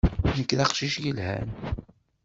Nekk d aqcic yelhan.